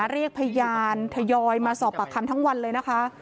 เรียกพยานทยอยมาสอบปากคำทั้งวันเลยนะคะ